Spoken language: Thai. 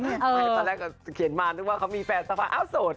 เขียนมาว่าเขามีแฟนแต่ว่าอ้าวโสด